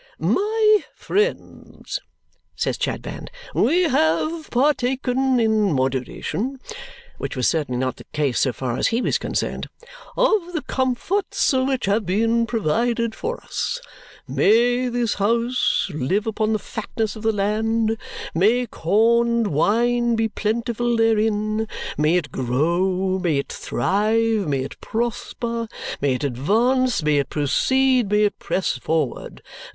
"My friends," says Chadband, "we have partaken in moderation" (which was certainly not the case so far as he was concerned) "of the comforts which have been provided for us. May this house live upon the fatness of the land; may corn and wine be plentiful therein; may it grow, may it thrive, may it prosper, may it advance, may it proceed, may it press forward!